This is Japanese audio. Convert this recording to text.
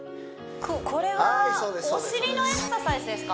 これはお尻のエクササイズですか？